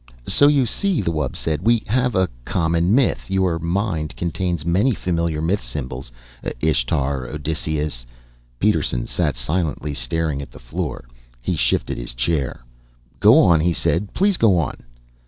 "So you see," the wub said, "we have a common myth. Your mind contains many familiar myth symbols. Ishtar, Odysseus " Peterson sat silently, staring at the floor. He shifted in his chair. "Go on," he said. "Please go on."